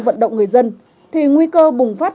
vận động người dân thì nguy cơ bùng phát